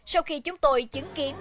sau khi chúng tôi chứng kiến